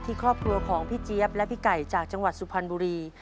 ครอบครัวของพี่เจี๊ยบและพี่ไก่จากจังหวัดสุพรรณบุรี